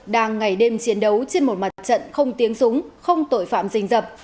đang ngày đêm chiến đấu trên một mặt trận không tiếng súng không tội phạm dình dập